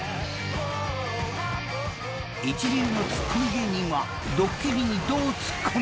［一流のツッコミ芸人はドッキリにどうツッコむ？］